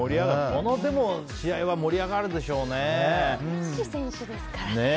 この試合は盛り上がるでしょうね。